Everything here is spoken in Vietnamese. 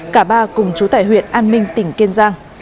cả ba cùng chú tải huyện an minh tỉnh kiên giang